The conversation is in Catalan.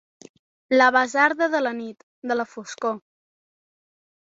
La basarda de la nit, de la foscor.